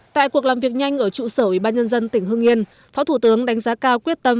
tại cuộc làm việc nhanh ở trụ sở ủy ban nhân dân tỉnh hương yên phó thủ tướng đánh giá cao quyết tâm